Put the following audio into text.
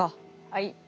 はい。